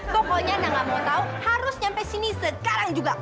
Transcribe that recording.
pokoknya nah gak mau tau harus nyampe sini sekarang juga